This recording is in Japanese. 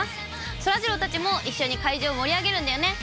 そらジローたちも一緒に会場を盛り上げるんだよね？